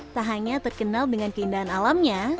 tak hanya terkenal dengan keindahan alamnya